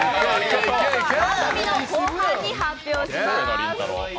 番組の後半に発表します。